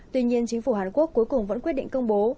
tuy nhiên chính phủ hàn quốc cuối cùng vẫn quyết định công bố